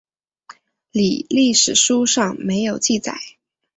李历史书上没有记载。